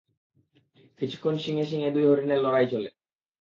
কিছুক্ষণ শিংয়ে-শিংয়ে দুই হরিণের লড়াই চলে।